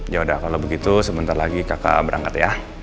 yaudah kalau begitu sebentar lagi kakak berangkat ya